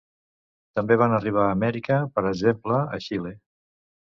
També van arribar a Amèrica, per exemple a Xile.